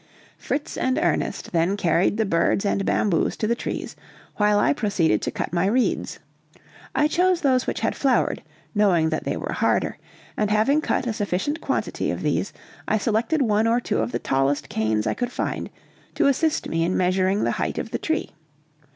Fritz and Ernest then carried the birds and bamboos to the trees, while I proceeded to cut my reeds. I chose those which had flowered, knowing that they were harder, and having cut a sufficient quantity of these, I selected one or two of the tallest canes I could find to assist me in measuring the height of the tree.